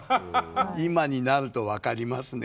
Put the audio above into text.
今になると分かりますね。